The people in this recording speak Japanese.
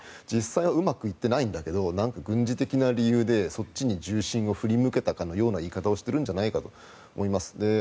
実際はうまくいっていないんだけど軍事的な理由でそっちに重心を振り向けたかのような言い方をしているのではと思います。